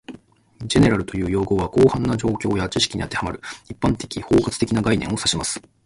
"General" という用語は、広範な状況や知識に当てはまる、一般的・包括的な概念を示します